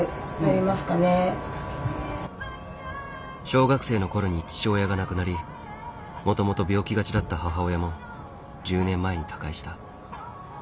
小学生の頃に父親が亡くなりもともと病気がちだった母親も１０年前に他界した。